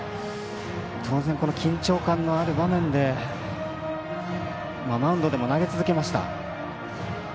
当然、この緊張感のある場面でマウンドでも投げ続けました。